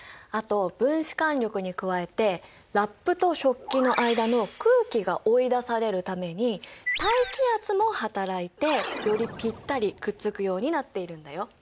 あと分子間力に加えてラップと食器の間の空気が追い出されるために大気圧もはたらいてよりぴったりくっつくようになっているんだよ。